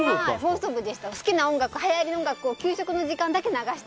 好きな音楽、はやりの音楽を給食の時間だけ流して。